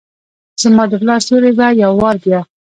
زماد پلار سیوری به ، یو وارې بیا،